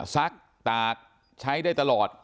ซักตากใช้ได้ตลอด